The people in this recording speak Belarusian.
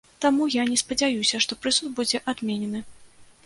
Таму я не спадзяюся, што прысуд будзе адменены.